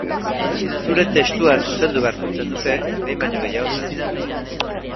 Zure testua zuzendu beharko zenuke behin baino gehiagotan.